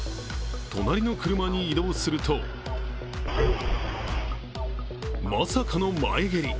隣の車に移動するとまさかの前蹴り。